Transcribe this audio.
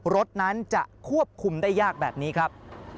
รถนั้นจะควบคุมได้ยากแบบนี้ครับ